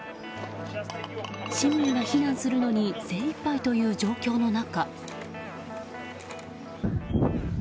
市民が避難するのに精いっぱいという状況の中。